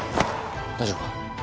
大丈夫か？